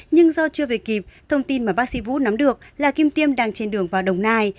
nhưng do chưa về kịp thông tin mà bác sĩ vũ nắm được là kim tiêm đang trên đường vào đồng nai